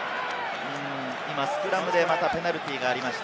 今スクラムでまたペナルティーがありました。